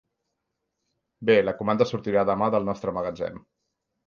Bé, la comanda sortirà demà del nostre magatzem.